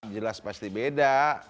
jelas pasti beda